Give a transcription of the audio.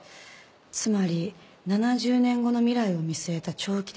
つまり７０年後の未来を見据えた長期的な設計が必要。